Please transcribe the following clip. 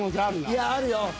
いやあるよ。